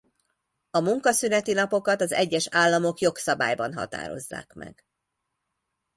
A munkaszüneti napokat az egyes államok jogszabályban határozzák meg.